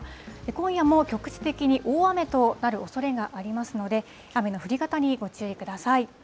今夜も局地的に大雨となるおそれがありますので、雨の降り方にご注意ください。